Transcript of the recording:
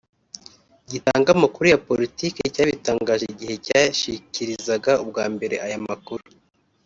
gitanga amakuru ya politike cyabitangaje igihe cyashikiriza ubwa mbere aya amakuru